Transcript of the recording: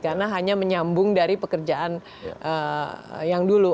karena hanya menyambung dari pekerjaan yang dulu